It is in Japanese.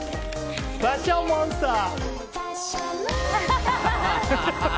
「ファッションモンスター」！